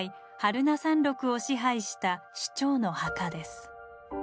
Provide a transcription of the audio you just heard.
榛名山麓を支配した首長の墓です。